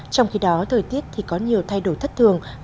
trong khi đó thời tiết thì có nhiều thay đổi thất thường